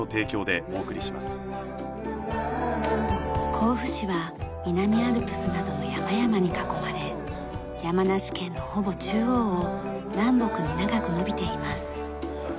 甲府市は南アルプスなどの山々に囲まれ山梨県のほぼ中央を南北に長く延びています。